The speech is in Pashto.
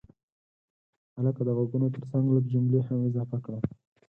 هلکه د غږونو ترڅنګ لږ جملې هم اضافه کړه.